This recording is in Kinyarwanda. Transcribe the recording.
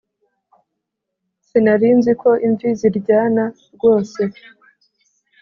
Sinarinziko imvi ziryana rwose